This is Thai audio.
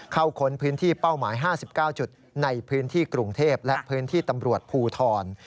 ค้นพื้นที่เป้าหมาย๕๙จุดในพื้นที่กรุงเทพและพื้นที่ตำรวจภูทร